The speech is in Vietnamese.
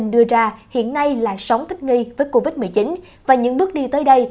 đưa ra hiện nay là sống thích nghi với covid một mươi chín và những bước đi tới đây